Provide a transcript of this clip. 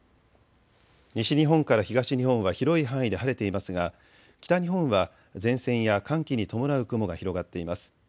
西日本から東日本は広い範囲で晴れていますが北日本は前線や寒気に伴う雲が広がっています。